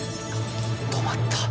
止まった。